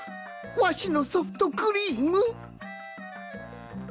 わしのソフトクリーム！